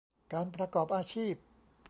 การประกอบอาชีพ